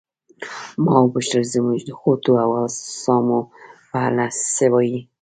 ما وپوښتل زموږ د غوټو او اسامو په اړه څه وایې.